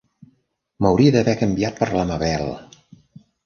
M'hauria d'haver canviat per la Mabel!